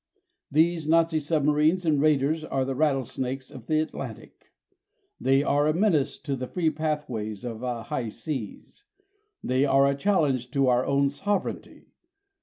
These Nazi submarines and raiders are the rattlesnakes of the Atlantic. They are a menace to the free pathways of the high seas. They are a challenge to our own sovereignty.